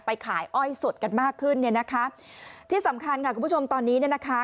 ขายอ้อยสดกันมากขึ้นเนี่ยนะคะที่สำคัญค่ะคุณผู้ชมตอนนี้เนี่ยนะคะ